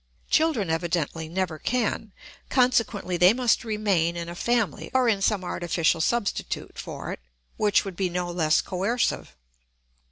Children evidently never can; consequently they must remain in a family or in some artificial substitute for it which would be no less coercive.